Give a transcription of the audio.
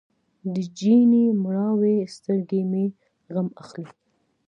د جینۍ مړاوې سترګې مې غم اخلي.